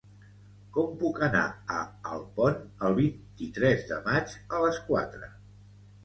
Com puc anar a Alpont el vint-i-tres de maig a les quatre?